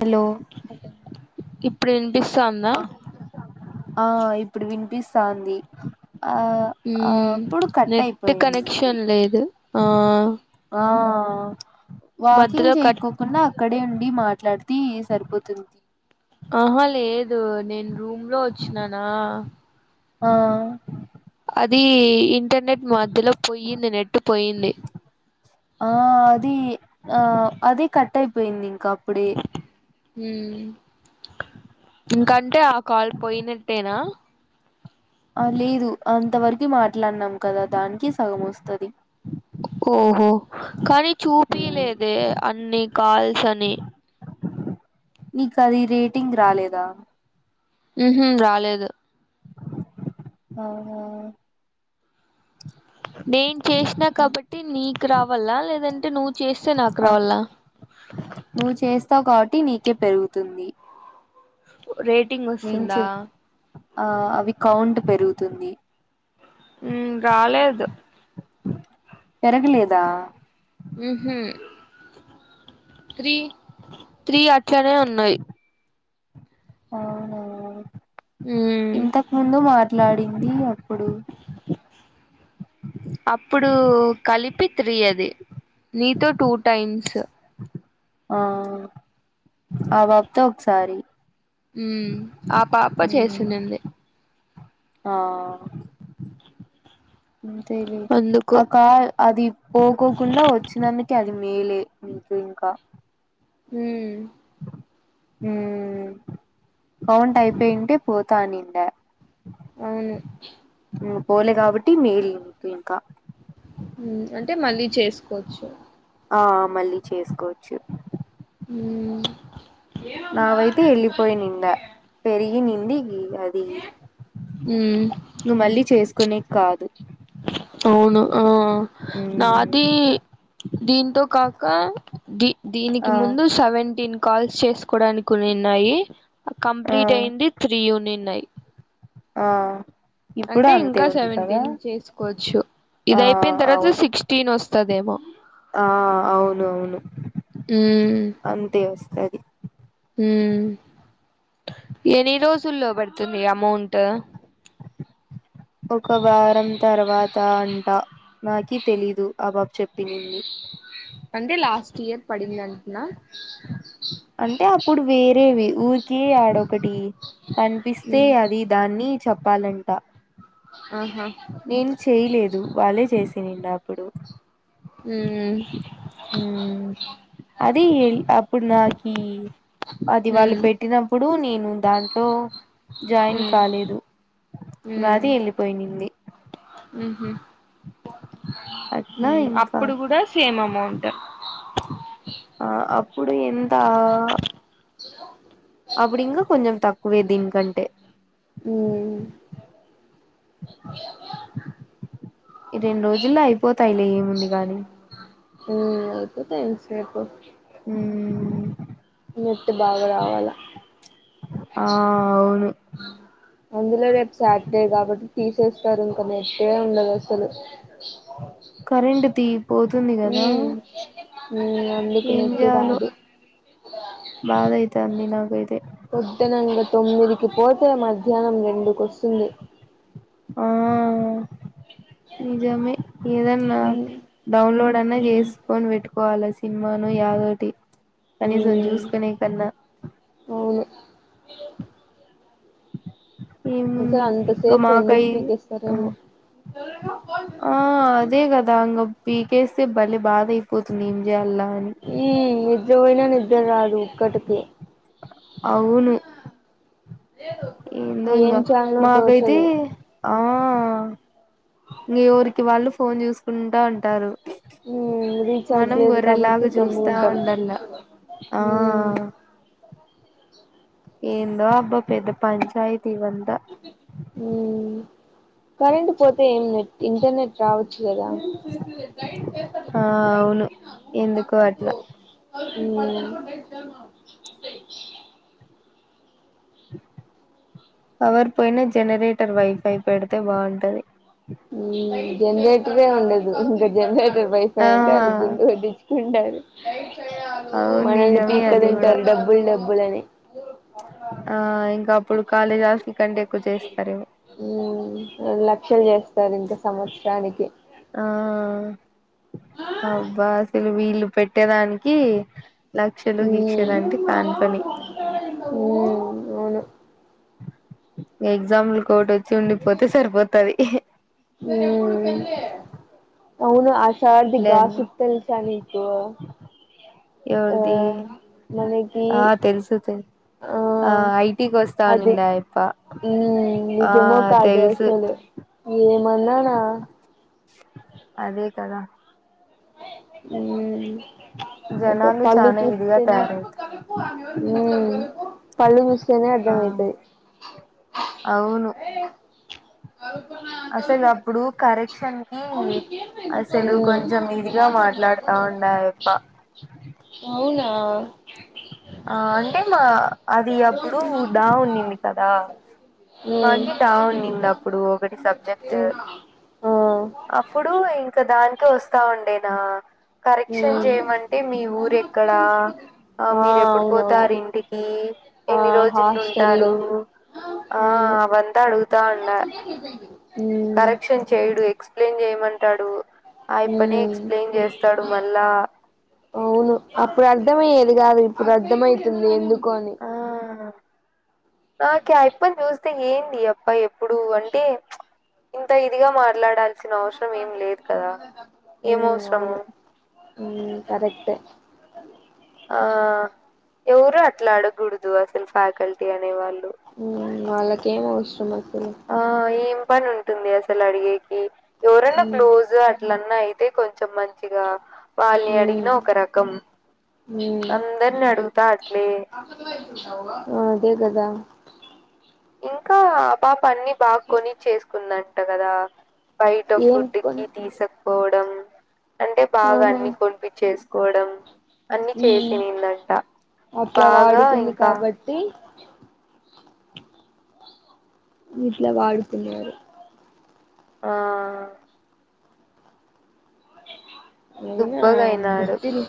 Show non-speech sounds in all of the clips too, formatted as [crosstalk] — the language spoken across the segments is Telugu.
హలో ఇప్ ప్రెండిష్ ఆ ఆ ఇప్పుడు వినిపిస్త్ ఫాంది ఆ ఆ మ్మ్ అప్పుడు కట్ నెట్ అయిపోయిండి కనెక్షన్ లేదు ఆ ఆ ఆ మధ్యలో వాకింగ్ కట్ చేయకోకుండా క్కడే ఉండి మాట్లాడితి సరిపోతుంది ఆహా లేదు నిన్ రూంలో వచ్చినాన ఆఆ వి ఇన్ ఇంటర్నెట్ మధ్యలో పోయింది. నేటు పోయింది. ఆ అది ఆ అదే కటైపోయిందీంగ్ కప్పుడి హు ఇంకంటే ఆ కాల్ పోయినటేనా ఆ లేదు అంతవరకు మాట్లాడినాం కదా దానికి సగం వస్తది ఓహో కానీ హ్మ్. చూపియలేదే అన్ని కాల్స్ అని నీకాంది రేటింగ్ రాలేదా ఉహు రాలేదు అవునో నేన్ చేచిన్నా కాబట్టి నీకు రావాలా లేదంటే నువ్వు చేస్తే నాకు ఆ రావాలా పీ నీకే పెరుగుతుంది రేటింగ్ నేను చే వసుందా ఆ అవి కౌంట్ పెరుగుతుంది ఉమ్ రాలేదు పెరగలేదా ఉహు త్రీ త్రీ అట్లనే ఉన్నాయ్ అవునవ్ హు ట్లాడిందియా అప్పుడూ కలిప్ పిత్రియది నీతొ టూ టైమ్స్ ఆ ఆ బాబ్తొ ఒక్సారి ఉమ్ ఆ పాప చెసినింది ఆ ఆంథెలే అందుకు ఆ కల్ అది పోకోకుండా వచ్చినందునికే అది మేలే నీకు ఇంకా ఉమ్ ఉమ్ కౌంట్ అయిపోయింటే పోతా నిండా అవును పోలే కాబట్టి మేలికు ఇంకా ఉమ్ అంటే మళ్ళీ చేసుకోచ్చు ఆ మళ్ళీ చేసుకోచ్చు ఉమ్ నా వైతే ఎళ్ళలిపోయి నిండ పెరి నినిందీగి అదీ ఉమ్ నువ్ మళ్ళీ చేసుకునే కాదు అవును ఆ ఉమ్ నాది దీంతో కాక్ కా ది దీనికి ఆ ముందు సెవెంటీన్ కాల్స్ చేసుకోవడానికి ఉన్నాయి ఆ కంప్లీట్ అయింది త్రీ యూనియన్ అయి ఆ ఇప్పుడు అంటే అంతే ఇంకా ఉంది కదా సెవెంటీన్ చేసుకోవచ్చు ఆ ఇదయిపోయిన తర్వాత అవును సిక్స్టీన్ ఒస్తదేమో ఆ అవును అవును ఉమ్ అది ఉమ్ ఎన్ని రోజుల్లో పడుతుంది అమౌంట్ ఒక వారం తర్వాత్ తా అంట నాకీ తెలీదు ఆ పాప చెప్పినింది అంటే లాస్ట్ ఇయర్ పడిందంటనా అంటే అప్పుడు వేరేవి ఊరికే ఆడొ ఒకటి కనిపిస్తే ఉమ్ అది దాన్ని చెప్పాలంట ఆహా నేన్ చేయలేదు వాళ్ళే చేస్ తనింటప్పుడు ఉమ్ ఉమ్ అది అప్పుడు నాకి అది వాళ్ళు ఉమ్ పెట్టినప్పుడు నే ను దాంట్లో జాయిన్ ఉమ్ కాలేదు గాది వెల్లిపోయిన్నింది ఊహు అట్లా ఇంకా ఇప్పుడు కూడా సేమ్ అమౌంట్ ఆ అప్పుడు ఎంతా అప్పుడింగ కొంచెం తక్కు తక్కువే దీనికంటే ఉమ్ రెండు రోజుల్లో అయిపోతాయిలే ఏముంది గాని ఉమ్ అయిపోతాయ్ ఎంత సేపు ఉమ్ నెట్ బాగా రావాలా ఆ అవును ఆ అందులో రేపు సాటర్డే కాబట్టి తీసేస్తారు ఇంకా నెట్టే ఉండదు అసలు కరెంట్ తీ పోదు వస్తుంది కదా ఉమ్ ఉమ్ అందుకు ఏం నెట్టు చేయాలో రాదు బాధయి తాంది నాకైతే పొద్దునంగా తొమ్మిదికి పోతే మధ్యాహ్నం రెండుకి వస్తుంది ఆ నిజమే ఏదన్నా ఉమ్ డౌన్లోడ్ అన్నా ఉమ్ చేసుకోని పెట్టుకో కోవాల సినిమానో యాదోటి కనీసం ఉమ్ చూసుకునే కన్నా అవును అసలు ఏముంది అంత ఇంక సేపు ఎందుకు మాకై ఆ పీకేస్తారేమో చ ఆ అదే కదా ఇంగా పీకే సే భలే బాధ అయిపోతుంది ఏం జేయాల్లా కానీ నిద్రవోయినా నేను రాదు ఒక్కడికి అవును ఏందో ఇంగ మాకైతే తోచదు ఆ ఇంగ‌ ఎవరికి వాళ్ళు ఫోన్ చూసుకుంటా ఉంటారు రీచార్జ్ మనం లేదు కాబట్టి గొర్రెలాగా చూస్తా గమ్ముగుంటాం ఉండల్ల ఆ ఏందో అబ్బా పెద్ద పంచాయతీ తీ ఇవంతా ఉమ్ కరెంట్ పోతే ఏం నెట్ ఇంటర్నెట్ రావచ్చు గదా ఆ అవును ఎందుకో అట్లా పవర్ పోయినా జనరేటర్ వైఫై పెడితే బాగుంటది ఇది ఎందే ఇ ఉండదు ఇంకా జమ్మే ఇవైఫై ఆ అంటే అళ్ళ గుండు పడ్టిచ్చు ఉంటది అవును మనల్ని నిజమే పీక అది కూడా తింటారు డబ్బులు డబ్బులు అని ఆ ఇంకా అప్పుడు కాలేజ్ హాస్ల కంటే ఎక్కువ చేస్తారుేమో మ్మ్ లక్షలు చేస్తారు ఇంకా సంవత్సరానికి అబ్బాసలు మీ ఇలుు పెట్టేదానికి లక్షలు గీక్షలు అంటే కాని పని అవును ఎగ్జాంపుల్ కోట్ చండిపోతే సరిపోతుది ఇ అ ముడుగా అవును సర్ది ఇట్లే అను గాసుతల్సానికు ఎవరిది ఆ తెలుసు తె ఆ ఐటికి అది వస్తాననిండు ఆ యాప్ప మ్మ్ ఆ నిజమో కాదో తెలుసు అసలు ఏమన్నానా అదే కదా మ్ అ జనాలు పళ్ళు చానా ఇదిగా చూస్తేనే తయారవుతారు పళ్ళు చూస్తేనే ఆ అర్థం అవుతుది అవును అసలు అప్పుడు కరెక్ క్షన్ కి అసలు మ్మ్ కొంచెం ఇదిగా మాట్లాడుతుండే ఆయప్ప అవునా ఆ అంటే మా అది అప్పుడు డా ఉండింది ది కదా మ్మ్ మాకి డా ఉండింది అప్పుడు ఒకటి సబ్జెక్ట్ మ్మ్ ఆ అప్పుడు ఇంకా దాని కి ఒస్తా ఉండేదా కరెక్షన్ మ్మ్ చేయమంటే మీ ఊరు ఎక్కడా ఆ మీరు ఎప్ ఎప్పుడు పోతారు ఇంటికి ఆ ఎన్ని రోజులు హాస్టల్ ఉంటారు ఆ అవును అవంతా అడుగుతా ఉండ మ్మ్ కరెక్షన్ చేయడు ఎక్స్ ప్లేన్ చేయమంటాడు ఆయప్పనే మ్ ఎక్స్ప్లెయిన్ చేస్తాడు మళ్ళా అవును అప్పుడు అర్థమయ్యేది గాదు ఇప్పుడు అర్థమయితుంది ఎందుకు కొని నాకు ఆయప్పని చూస్తే ఏంది అప్ప ఎప్పుడు అంటే ప్చ్ ఇంత ఇదిగా మాట్లాడాలి సిన అవసరం ఏం లేదు కదా ఏం అవసరము ఊమ్ కరక్టే ఆ ఎవరు అట్లా అడక్కుడదు అసలు ఫ్యాకల్టీ అనేవాళ్ళు ఊమ్ వాళ్ళకేం అవసరం అసలు ఆ ఎం పని ఉంటుంది అసలు అడిగేకి ఉమ్ నా అయితే కొంచెం మంచిగా వాళ్ళని మ్మ్ అడిగిన ఒక రకం మ్మ్ అందరిని అడుగుతా అట్లే ఆ అదే కదా ఇంకా పాప అన్ని బాగా కొని చేసు కున్నట్టు కదా బయట ఏం ఫుడ్ కి కొన్ తీసుకో అంటే బాగా ఆహా అన్ని కొనిపించేసి కోడం అన్ని మ్మ్ చేసిందంట అట్లా బాగా వాడుకుంది ఇంకా కాబట్టి ఇట్ల వాడుతున్నారు ఆ... అయినా దుబ్బగయినాడు బుట్టిల్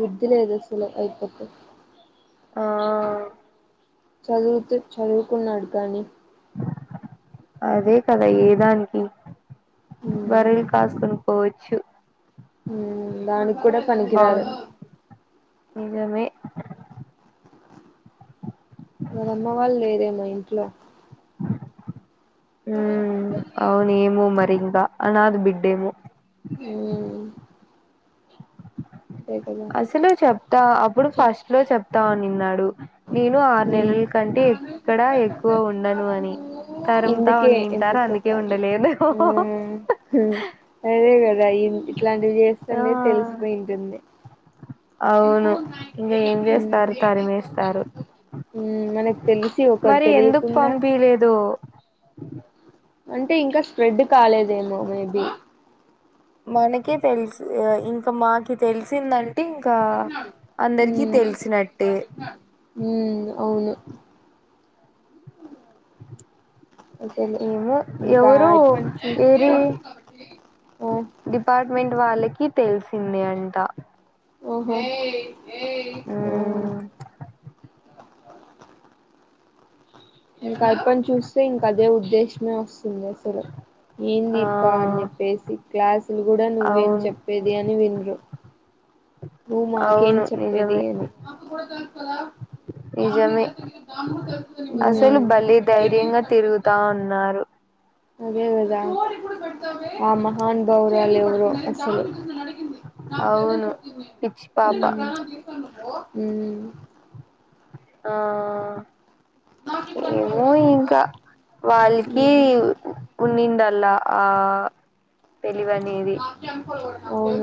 బుద్ది లేదు అసలు అయప్ప కి ఆ చదువుతూ చదువుకున్నాడు కానీ అదే కదా ఏ దానికి ఉమ్ బర్రెల్ కాస్కోను పోవచ్చు ఉమ్ దానిక్కూడా పనికిరాదు ఏమీ ట్ల ఉమ్ అవును ఏమో మరిం కా అనాథ బిడ్డేమో ఉమ్ అదే కదా అసలు చెప్తా అప్పుడు చే ఫస్ట్ లో చెప్తా ఉన్నిన్నాడు ఉమ్ ఎక్కడ ఎక్కువ ఉండను అని తరుముతా ఇందుకే ఉన్నింటారు ఎందుకో అందుకే కాదు ఉండలేదు మ్మ్ హ్మ్ అదేగ ఈడ ఇం ఇట్లాంటివి ఆ చేస్తుంటే తెలిసిపోయుంటుంది అవును ఇంకా ఏం ఉమ్మ్ చేస్తారు తరిమేస్తారు మ్మ్ మనకి తెలిసి ఒకటి మరి ఎందుకు తెలియకుండా, పంపిలేదు అంటే ఇంకా స్ప్రెడ్ కాలేదులేండి మేబి మనకి తెలుసు యో ఇంకా మాకి తెలిసిందం మ్మ్ తెలిసినట్టే హ్మ్ అవును అసలు ఏమో ఇంకా ఎవరు ఇప్పటి చూస్తే వేరే ఆ డిపార్ట్ మెంట్ వాళ్ళ కి తెలిసింది అంట ఓహో ఏయ్ ఓ మ్మ్ ఇంక ఆయప్పని చూస్తే ఇంక అదే ఉద్దేశమే వస్తుంది అసలు ఏంది ఆ ఈప్ప అని చెప్పేసి. క్లాస్ ఇపుడు కూడా నువ్వేం అవును చెప్పేది అని వినరు నువ్వు మాకేం అవును చెప్పేది నిజమే అని హ్మ్ నిజమే అసలు భలే ధైర్యంగా తిరుగుతా ఉన్నారు అదే గదా ఆ మహానుభావురాలు ఎవరో అసలు అవును పిచ్చి పాప ఉమ్ ఉమ్ ఆ ఏమో ఇంక వాళ్ళకి ఉన్నిందల్లా ఆ తెలివి అనేది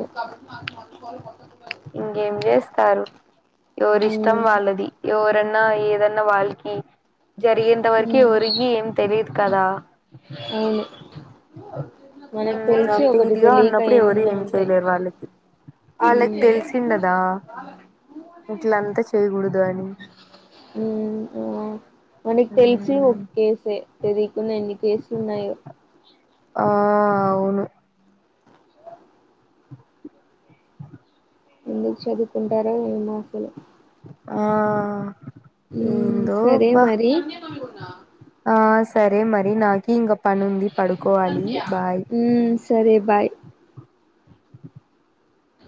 [unintelligible] ఇంకేం జేస్తారు ఉమ్ ఎవరిష్టం ఉమ్ వాళ్ళది ఎవరెన్నా ఏదన్నా వాళ్ళకి జరిగేంత వరకి ఎవరికి ఏం తెలిదు కదా అవును మనకు ఉమ్ తెలిసి అంత ఒకటి ఇదిగా తెలియక ఉన్నప్పుడు ఎవరు ఎన్నీ ఉంటాయి తెలిసిందడా ఇట్ల అంతా చేయకూడదు అని ఉమ్ ఆ మనకి తెలిసి ఒక కేసే తెలియకున్న ఎన్ని కేసులు ఉన్నాయో ఆ అవును ఎందుకు చదువుకుంటరో ఏమో అసలు ఆ ఉమ్ ఏందో సరే బా మరి ఆ సరే మరి నాకి ఇంక పని ఉంది పడుకోవాలి బాయ్ ఉమ్ సరే బాయ్